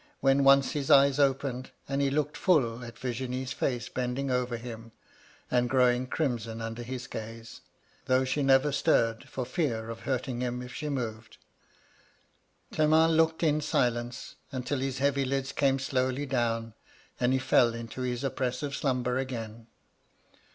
when once his eyes opened, and he looked full at Virgmie's &ce bending over him, and growing crimson under his gaze, though she never stirred, for fear of hurting him if she moved* Clement looked in silence, until his heavy eyelids came slowly down, and he fell into his oppres£dve slumber again.'